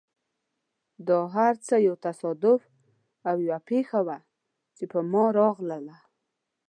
دا هر څه یو تصادف او یوه پېښه وه، چې په ما راغله.